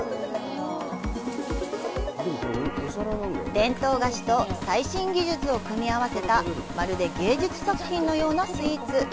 伝統菓子と最新技術を組み合わせたまるで芸術作品のようなスイーツ。